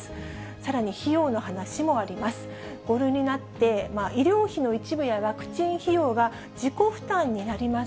さらに費用の話もあります。